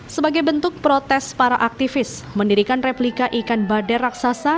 sebagai bentuk protes para aktivis mendirikan replika ikan bader raksasa